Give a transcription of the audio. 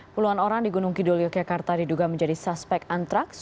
puluhan orang di gunung kidul yogyakarta diduga menjadi suspek antraks